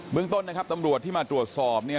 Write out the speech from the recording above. เมืองต้นนะครับตำรวจที่มาตรวจสอบเนี่ย